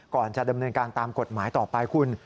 ก่อนจะดำเนินการตามกฎหมายต่อไปคุณ